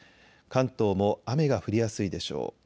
関東も雨が降りやすいでしょう。